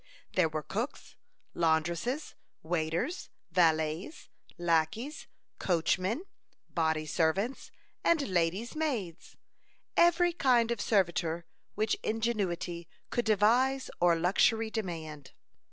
There were cooks, laundresses, waiters, valets, lackeys, coachmen, body servants, and lady's maids; every kind of servitor which ingenuity could devise or luxury demand.